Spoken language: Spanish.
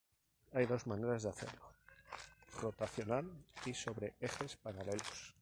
Hay dos maneras de hacerlo; rotacional y sobre ejes paralelos.